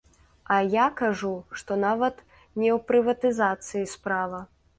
А я кажу, што нават не ў прыватызацыі справа.